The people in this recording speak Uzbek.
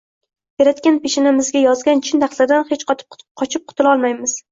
Yaratgan peshanamizga yozgan chin taqdirdan hech qochib qutula olmaymiz